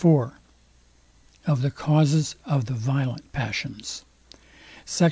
IV OF THE CAUSES OF THE VIOLENT PASSIONS SECT.